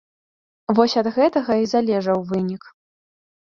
Вось ад гэтага і залежаў вынік.